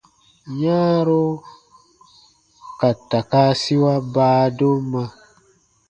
Yãaro ka takaasiwa baadomma.